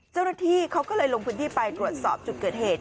เจ้าหน้าที่เขาก็เลยลงพื้นที่ไปตรวจสอบจุดเกิดเหตุ